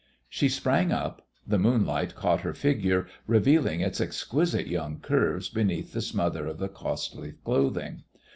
She sprang up. The moonlight caught her figure, revealing its exquisite young curves beneath the smother of the costly clothing.